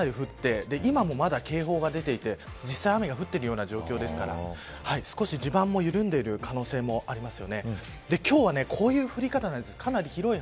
暗いうちにかなり降って今もまだ警報が出ていて実際に、雨が降ってるような状況ですから少し地盤も緩んでいる可能性もあります。